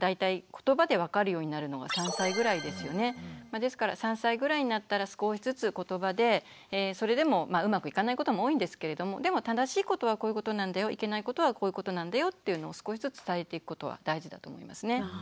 ですから３歳ぐらいになったら少しずつことばでそれでもうまくいかないことも多いんですけれどもでも「正しいことはこういうことなんだよいけないことはこういうことなんだよ」っていうのを少しずつ伝えていくことは大事だと思いますね。